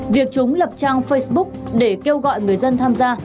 việc chúng lập trang facebook để kêu gọi người dân tham gia